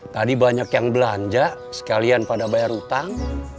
tadi banyak yang belanja sekalian pada bayar utang